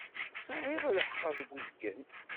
Tesεiḍ lḥeqq deg uzgen.